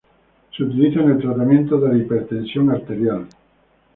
Se utiliza en el tratamiento de la hipertensión arterial.